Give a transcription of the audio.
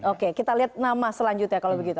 oke kita lihat nama selanjutnya kalau begitu